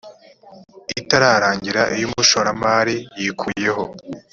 itararangira iyo umushoramari yikuyeho